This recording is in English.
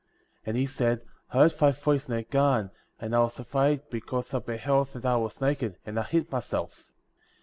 16. And he said : I heard thy voice in the garden, and I was afraid, because I beheld that I was naked," and I hid myself.